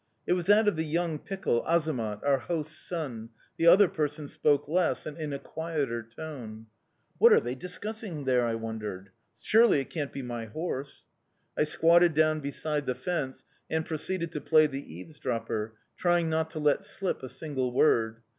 "It was that of the young pickle, Azamat, our host's son. The other person spoke less and in a quieter tone. "'What are they discussing there?' I wondered. 'Surely it can't be my horse!' I squatted down beside the fence and proceeded to play the eavesdropper, trying not to let slip a single word.